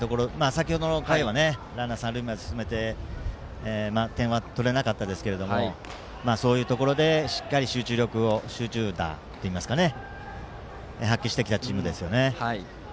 先程の回はランナーを三塁まで進めて点は取れなかったですけどそういうところでしっかり集中打を発揮してきたチームですよね。